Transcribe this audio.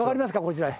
こちら。